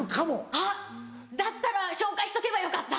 あっだったら紹介しとけばよかった。